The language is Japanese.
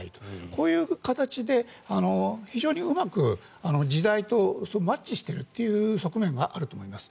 こういう形で、非常にうまく時代とマッチしているという側面があると思います。